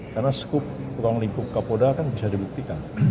karena skup kurang lingkung kapolda kan bisa dibuktikan